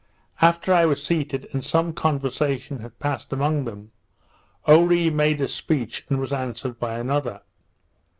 After I was seated, and some conversation had passed among them, Oree made a speech, and was answered by another.